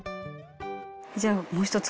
じゃあもう一つ